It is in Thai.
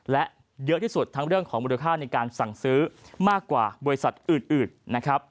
และเยอะที่สุดทั้งเรื่องของมูลค่าในการสั่งซื้อมากกว่าบริษัทอื่นนะครับ